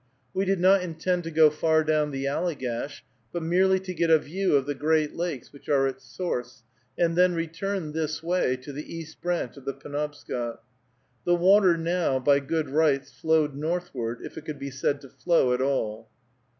We did not intend to go far down the Allegash, but merely to get a view of the great lakes which are its source, and then return this way to the East Branch of the Penobscot. The water now, by good rights, flowed northward, if it could be said to flow at all.